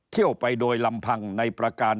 เที่ยวไปโดยลำพังในประการ